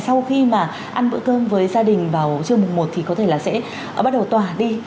sau khi mà ăn bữa cơm với gia đình vào trưa mùng một thì có thể là sẽ bắt đầu tỏa đi